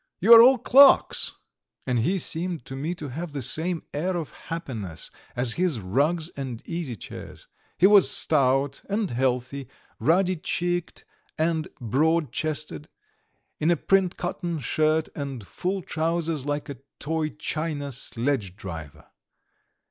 You are all clerks." And he seemed to me to have the same air of happiness as his rugs and easy chairs. He was stout and healthy, ruddy cheeked and broad chested, in a print cotton shirt and full trousers like a toy china sledge driver.